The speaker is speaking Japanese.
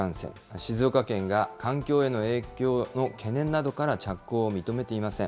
静岡県が環境への影響の懸念などから着工を認めていません。